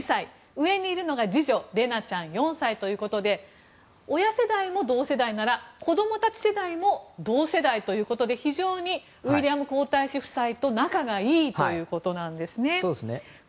上にいるのが次女レナちゃん、４歳ということで親世代も同世代なら子供たち世代も同世代ということで非常にウィリアム皇太子夫妻と仲がいいということなんですね。